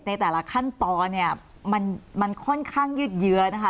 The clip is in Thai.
ในแต่ละขั้นตอนเนี่ยมันค่อนข้างยืดเยื้อนะคะ